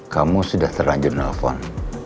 kamu sudah terlanjur nelfon